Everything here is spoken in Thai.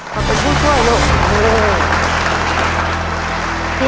มาเป็นผู้ช่วยลูก